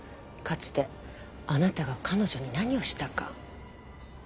かつてあなたが彼女に何をしたか。